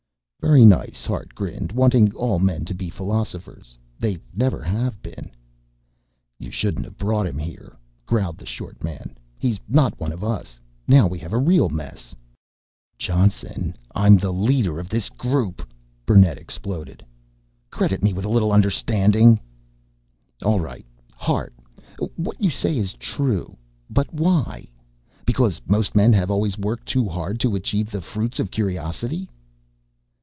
"Very nice," Hart grinned, "wanting all men to be philosophers. They never have been." "You shouldn't have brought him here," growled the short man. "He's not one of us. Now we have a real mess." "Johnson, I'm leader of this group!" Burnett exploded. "Credit me with a little understanding. All right, Hart, what you say is true. But why? Because most men have always worked too hard to achieve the fruits of curiosity."